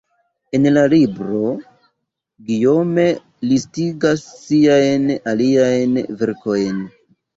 En la libro, Guillaume listigas siajn aliajn verkojn.